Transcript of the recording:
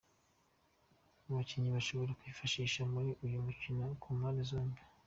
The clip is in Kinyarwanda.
Abakinnyi bashobora kwifashishwa muri uyu mukino ku mpande zombi:.